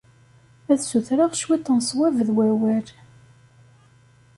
Ad ssutreɣ cwiṭ n sswab d wawal.